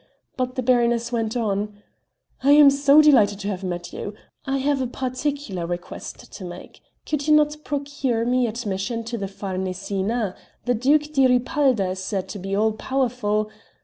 But the baroness went on: "I am so delighted to have met you I have a particular request to make: could you not procure me admission to the Farnesina? The Duke di Ripalda is said to be all powerful...."